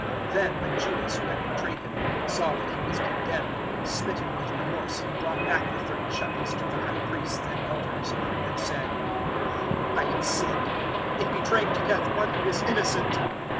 027:003 Then when Judas, who had betrayed Him, saw that He was condemned, smitten with remorse he brought back the thirty shekels to the High Priests and Elders 027:004 and said, "I have sinned, in betraying to death one who is innocent."